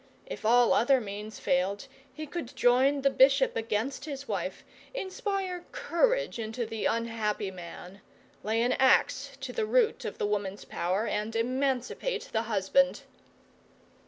If all other means failed, he could join the bishop against the wife, inspire courage into the unhappy man, lay an axe to the rock of the woman's power, and emancipate the husband.